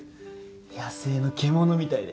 野生の獣みたいで。